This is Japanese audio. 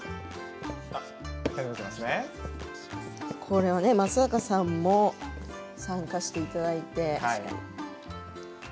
これは松坂さんも参加していただいて。